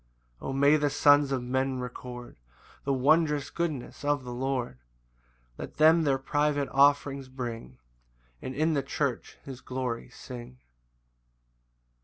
6 O may the sons of men record The wondrous goodness of the Lord! Let them their private offerings bring, And in the church his glory sing.